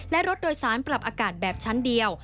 และรถโดยสารปรับอากาศแบบชั้นเดียว